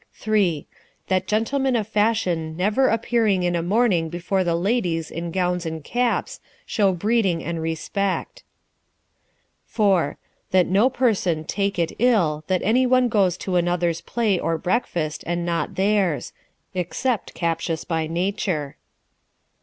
3. " That gentlemen of fashion never appearing in a morning before the ladies in gowns and caps, shew breeding and respect. 4. " That no person take it ill that any one goes to another's play or breakfast, and not theirs ; except captious by nature.